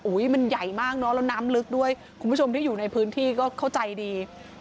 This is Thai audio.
มันใหญ่มากเนอะแล้วน้ำลึกด้วยคุณผู้ชมที่อยู่ในพื้นที่ก็เข้าใจดี